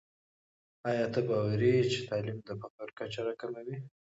آیا ته باوري یې چې تعلیم د فقر کچه راکموي؟